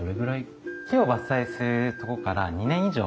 木を伐採するとこから２年以上。